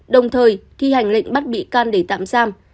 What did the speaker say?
đồng thời thi hành lệnh bắt bị can để tạm giam